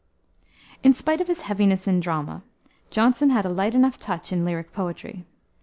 In spite of his heaviness in drama, Jonson had a light enough touch in lyric poetry.